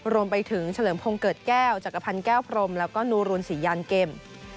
รวมไปถึงเฉลิมพงศ์เกิดแก้วจักรพันธ์แก้วพรมแล้วก็นูรุนศรียันเกม